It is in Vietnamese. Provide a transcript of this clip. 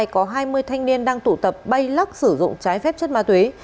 có hai mươi thanh niên đang tụ tập bay lắc sử dụng trái phép chất ma túy